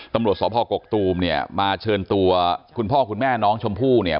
ตำรวจสพกกตูมเนี่ยมาเชิญตัวคุณพ่อคุณแม่น้องชมพู่เนี่ย